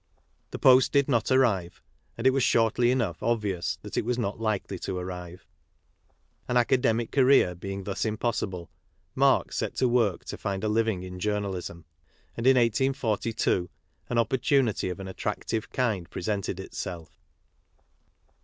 The post did not arrive, and it was shortly enough obvious that it was not likely to arrive. An academic career being thus im possible, Marx set to work to find a living in journalism, and in 1842 an opportunity of an attractive kind presented itself.